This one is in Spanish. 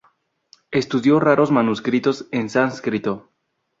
Estudió raros manuscritos en sánscrito.